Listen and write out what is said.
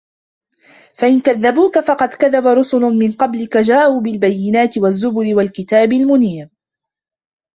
فإن كذبوك فقد كذب رسل من قبلك جاءوا بالبينات والزبر والكتاب المنير